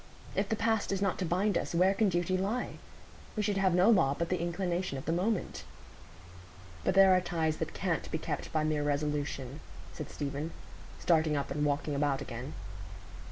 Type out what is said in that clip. If the past is not to bind us, where can duty lie? We should have no law but the inclination of the moment." "But there are ties that can't be kept by mere resolution," said Stephen, starting up and walking about again.